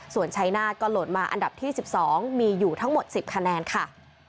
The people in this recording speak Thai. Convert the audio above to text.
ส่วนชัยนาธก็โหลดมาอันดับที่๑๒มีอยู่ทั้งหมด๑๐คะแนนค่ะ